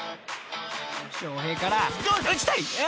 ［翔平から打ちたい！］